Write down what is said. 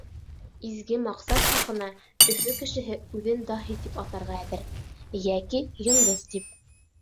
Изге маҡсат хаҡына Өфө кешеһе үҙен даһи тип атарға әҙер. Йәки йондоҙ тип.